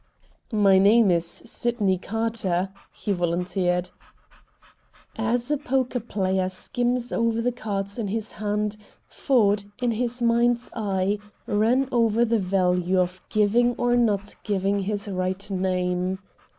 "My name is Sydney Carter," he volunteered. As a poker player skims over the cards in his hand, Ford, in his mind's eye, ran over the value of giving or not giving his right name.